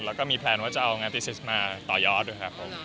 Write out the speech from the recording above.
แล้วก็มีแพลนว่าจะเอางานพิซิสมาต่อยอดด้วยครับผม